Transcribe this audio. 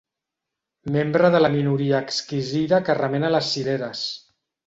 Membre de la minoria exquisida que remena les cireres.